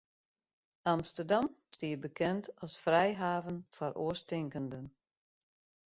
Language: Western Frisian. Amsterdam stie bekend as frijhaven foar oarstinkenden.